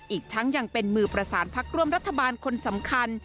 อีกทั้งยังเป็นมือประสานพักร่วมรัฐบาลคนสำคัญ